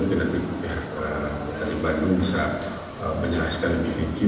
mungkin nanti pihak dari bandung bisa menjelaskan lebih rinci